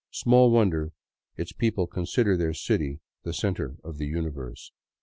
Small wonder its people consider their city the center of the universe.